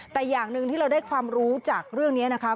แต่อย่างหนึ่งที่เราได้ความรู้จากเรื่องนี้นะคะ